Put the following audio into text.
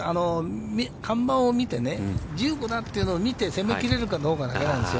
看板を見て、１５だというのを見て、攻め切れるかどうかだけなんですよ。